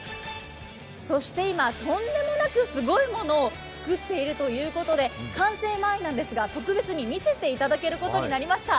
そして今、とんでもなくすごいものを作っているということで、完成前なんですが特別に見せていただけることになりました。